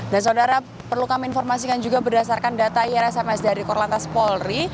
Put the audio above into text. saudara perlu kami informasikan juga berdasarkan data irsms dari korlantas polri